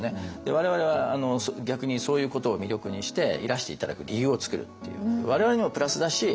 我々は逆にそういうことを魅力にしていらして頂く理由を作るっていう。